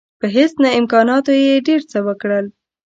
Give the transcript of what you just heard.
په هیڅ نه امکاناتو یې ډېر څه وکړل.